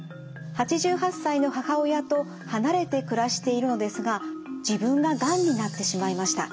８８歳の母親と離れて暮らしているのですが自分ががんになってしまいました。